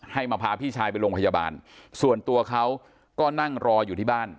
มาพาพี่ชายไปโรงพยาบาลส่วนตัวเขาก็นั่งรออยู่ที่บ้าน